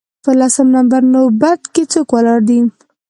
په لسم نمبر نوبت کې څوک ولاړ دی